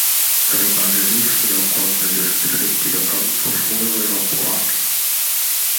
Rimase lì fino a quando gli ospedaletti da campo furono evacuati.